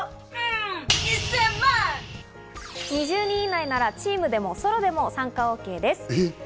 ２０人以内ならチームでもソロでも参加はＯＫです。